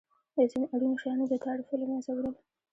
د ځینو اړینو شیانو د تعرفو له مینځه وړل.